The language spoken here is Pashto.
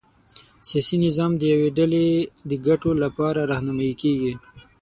سیاسي نظام د یوې ډلې د ګټو له لوري رهنمايي کېږي.